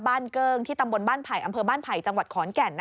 เกิ้งที่ตำบลบ้านไผ่อำเภอบ้านไผ่จังหวัดขอนแก่น